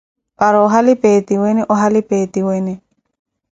Para ohali peetiwene, ohali peetiwene!